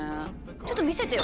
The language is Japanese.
ちょっと見せてよ。